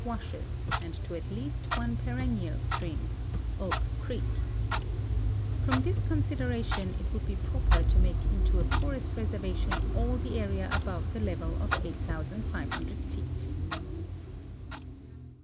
shes and to at least one perennial stream— Oak creek. From this con sideration it would be i)roper to make into a forest reservation all the area above the level of 8,500 feet.